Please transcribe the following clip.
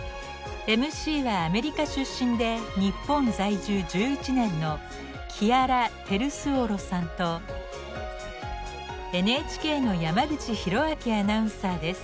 ＭＣはアメリカ出身で日本在住１１年のＮＨＫの山口寛明アナウンサーです。